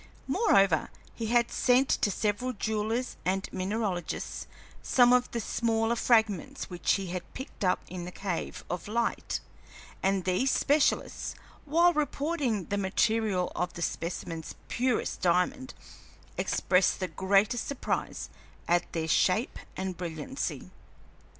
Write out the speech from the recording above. Moreover, he had sent to several jewelers and mineralogists some of the smaller fragments which he had picked up in the cave of light, and these specialists, while reporting the material of the specimens purest diamond, expressed the greatest surprise at their shape and brilliancy.